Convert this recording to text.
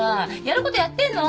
やることやってんの？